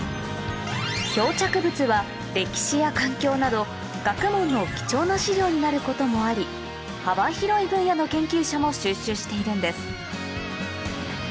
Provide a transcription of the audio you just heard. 漂着物は歴史や環境など学問の貴重な資料になることもあり幅広い分野の研究者も収集しているんです